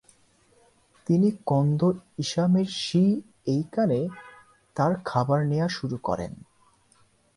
তিনি কোন্দো ইসামির শিএইকানে তার খাবার নেয়া শুরু করেন।